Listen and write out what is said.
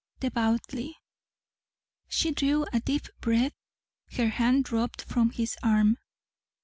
"Devoutly." She drew a deep breath. Her hand dropped from his arm.